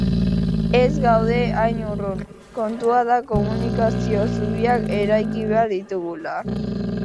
Ez gaude hain urrun, kontua da komunikazio zubiak eraiki behar ditugula.